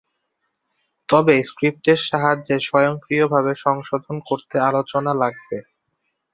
তবে স্ক্রিপ্টের সাহায্যে স্বয়ংক্রিয়ভাবে সংশোধন করতে আলোচনা লাগবে।